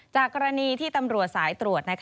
จากกรณีที่ตำรวจสายตรวจ